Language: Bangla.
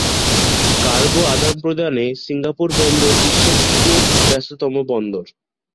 কার্গো আদান-প্রদানে সিঙ্গাপুর বন্দর বিশ্বের তৃতীয় ব্যস্ততম বন্দর।